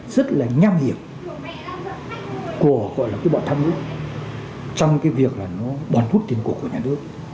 rất là nham hiểm của gọi là cái bọn tham nhũng trong cái việc là nó bọn hút tiền cổ của nhà nước